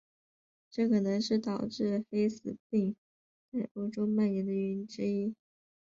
这可能是导致黑死病在欧洲蔓延的原因之一。